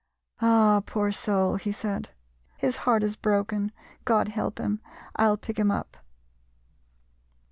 "Ah! poor soul," he said, "his heart is broken, God help him; I'll pick him up."